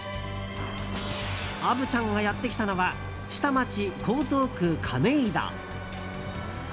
虻ちゃんがやってきたのは下町、江東区亀戸。